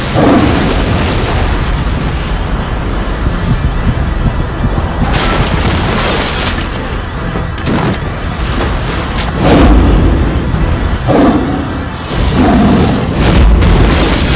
kau akan berhati hati